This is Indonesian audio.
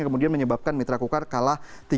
yang kemudian menyebabkan mitra kukar kalah tiga